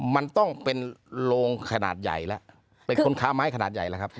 มันต้องเป็นโรงขนาดใหญ่แล้วเป็นคนค้าไม้ขนาดใหญ่แล้วครับ